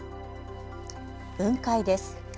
雲海です。